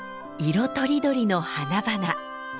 色とりどりの花々。